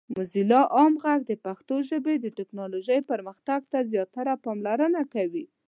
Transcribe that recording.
موزیلا عام غږ د پښتو ژبې د ټیکنالوجۍ پرمختګ ته زیاته پاملرنه کوي.